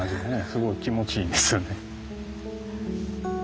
すごい気持ちいいんですよね。